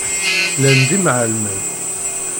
Llan d imεellmen.